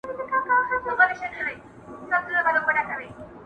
ما چي میوند، میوند نارې وهلې٫